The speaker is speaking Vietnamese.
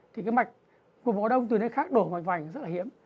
thì cái mạch của máu đông từ nơi khác đổ mạch vành rất là hiếm